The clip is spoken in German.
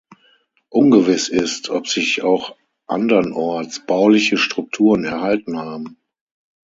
Ungewiss ist, ob sich auch andernorts bauliche Strukturen erhalten haben.